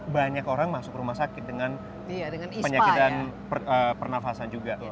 banyak orang masuk rumah sakit dengan penyakitan pernafasan juga